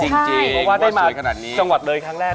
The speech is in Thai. เพราะว่าได้มาจังหวัดเลยครั้งแรก